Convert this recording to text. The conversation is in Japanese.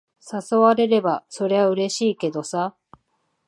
誘われれば、そりゃうれしいけどさ。